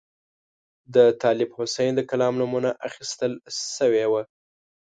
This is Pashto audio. د طالب حسین د کلام نمونه اخیستل شوې وه.